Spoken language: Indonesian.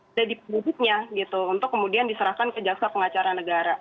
sudah dipuduknya gitu untuk kemudian diserahkan ke jaksa pengacara negara